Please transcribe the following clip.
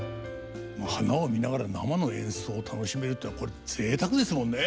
花を見ながら生の演奏を楽しめるっていうのはこれぜいたくですもんね。